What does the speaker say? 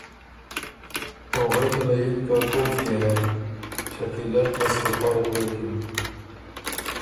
او غوېکه له یِن که کوک يې هې؟ شکیلۀ ل په سپُتو غوېکِن